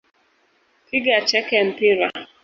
Piga teke mpira